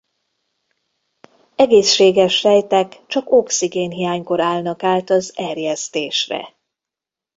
Egészséges sejtek csak oxigénhiánykor állnak át az erjesztésre.